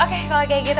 oke kalau kayak gitu